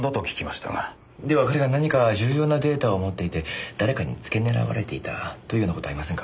では彼が何か重要なデータを持っていて誰かにつけ狙われていたというような事はありませんか？